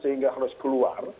sehingga harus keluar